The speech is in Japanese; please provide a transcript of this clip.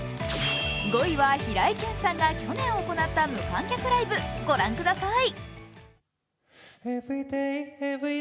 ５位は平井堅さんが去年行った無観客ライブ、ご覧ください。